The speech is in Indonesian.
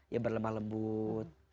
ya berlemah lembut